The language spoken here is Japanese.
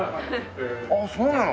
ああそうなの？